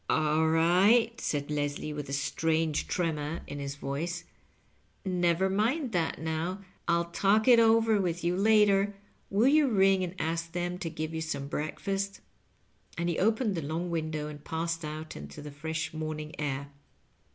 " AU right," said Leslie, with a strange tremor in his Digitized by VjOOQIC LOVE AFD LIGHTmm. 221 voice :" never mind that now ; I'll talk it over with you later. Will you ring and ask them to give you some breakfast?" And he opened the long window and passed out into the fresh morning air.